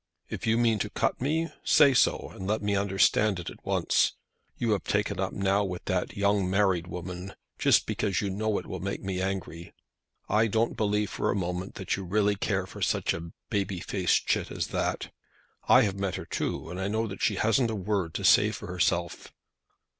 If you mean to cut me, say so, and let me understand it at once. You have taken up now with that young married woman just because you know it will make me angry. I don't believe for a moment that you really care for such a baby faced chit as that. I have met her too, and I know that she hasn't a word to say for herself.